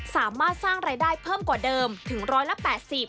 สามารถสร้างรายได้เพิ่มกว่าเดิมถึง๑๘๐บาท